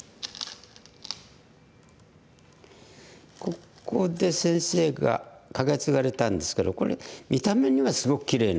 ここで先生がカケツガれたんですけどこれ見た目にはすごくきれいなんですけどね。